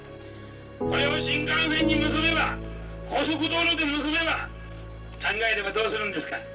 これを新幹線に結べば高速道路で結べば考えればどうするんですか？